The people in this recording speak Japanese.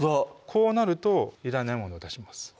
こうなるといらないものを出します